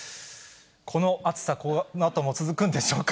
この暑さ、このあとも続くんでしょうか。